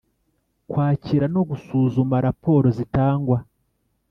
Kwakira no gusuzuma raporo zitangwa